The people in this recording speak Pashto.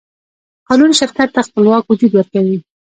قانون شرکت ته خپلواک وجود ورکوي.